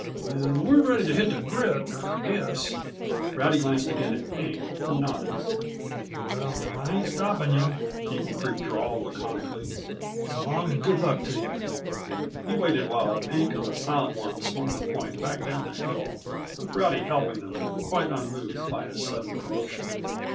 "Then we're ready to hit the grit, I guess." Rowdy glanced again at Pink who nodded. "Well, I ain't stoppin' yuh," Eagle Creek drawled laconically. "S' long, and good luck t' yuh." He waited while Pink and the Silent One swung the point back down the hill, with Rowdy helping them, quite unmoved by his sudden promotion.